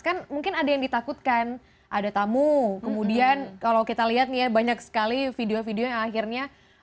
kan mungkin ada yang ditakutkan ada tamu kemudian kalau kita lihat nih ya banyak sekali video video yang akhirnya